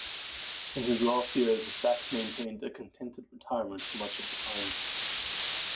In his last years, Bax maintained a contented retirement for much of the time.